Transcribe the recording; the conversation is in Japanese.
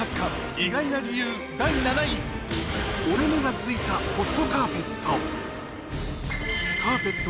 意外な理由第７位、折れ目がついたホットカーペット。